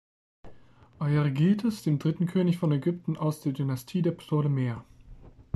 Euergetes, dem dritten König von Ägypten aus der Dynastie der Ptolemäer.